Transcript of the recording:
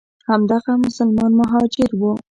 همدغه مسلمان مهاجر وو.